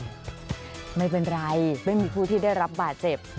ไม่เป็นไรไม่มีผู้ที่ได้รับบาดเจ็บ